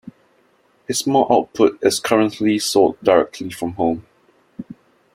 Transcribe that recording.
His small output is currently sold directly from home.